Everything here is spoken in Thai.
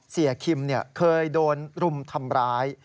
เสียครีมเคยโดนรุมทำร้าย